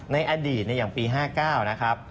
ในอดีตอย่างปี๕๙นะครับ